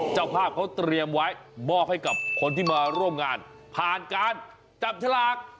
เจ้าภาพเขาเตรียมไว้มอบให้กับคนที่มาร่วมงานผ่านการจับฉลาก